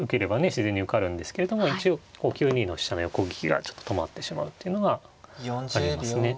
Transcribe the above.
自然に受かるんですけれども一応９二の飛車の横利きがちょっと止まってしまうっていうのがありますね。